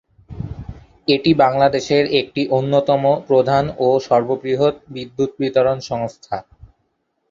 এটি বাংলাদেশের একটি অন্যতম প্রধান ও সর্ববৃহৎ বিদ্যুৎ বিতরণ সংস্থা।